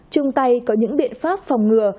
trung tay có những biện pháp phòng ngừa